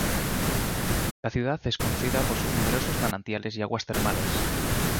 La ciudad es conocida por sus numerosos manantiales y aguas termales.